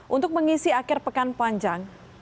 untuk mengisi akhir pekan panjang